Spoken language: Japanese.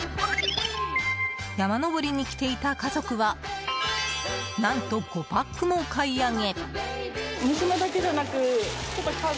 山登りに来ていた家族は何と５パックもお買い上げ。